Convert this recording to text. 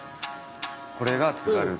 これが。